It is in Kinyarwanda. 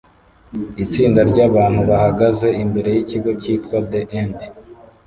Itsinda ryabantu bahagaze imbere yikigo cyitwa The End